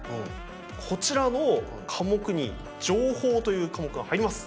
こちらの科目に「情報」という科目が入ります。